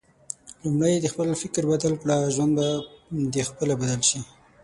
لومړی د خپل فکر بدل کړه ، ژوند به د خپله بدل شي